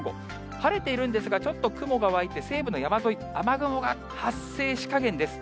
晴れているんですが、ちょっと雲が湧いて、西部の山沿い、雨雲が発生し加減です。